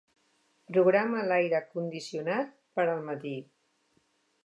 Programa l'aire condicionat per al matí.